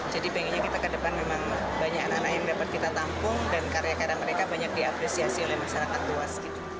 jadi inginnya kita ke depan memang banyak anak anak yang dapat kita tampung dan karya karya mereka banyak diapresiasi oleh masyarakat luas